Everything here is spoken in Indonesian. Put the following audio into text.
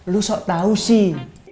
lu sok tahu sih